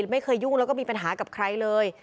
ไม่เคยยุ่งแล้วก็มีปัญหากับใครเลย